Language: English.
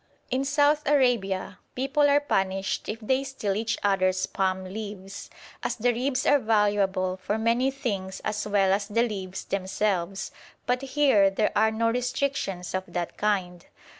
In South Arabia people are punished if they steal each other's palm leaves, as the ribs are valuable for many things as well as the leaves themselves, but here there are no restrictions of that kind.